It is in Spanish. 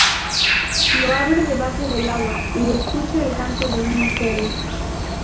Lo abre debajo del agua, y escucha el canto de unos seres.